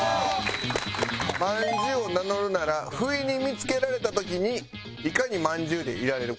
まんじゅうを名乗るならふいに見付けられた時にいかにまんじゅうでいられるか。